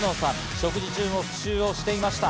食事中も復習をしていました。